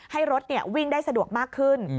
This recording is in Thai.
ให้รถวิ่งได้สะดวกมากขึ้น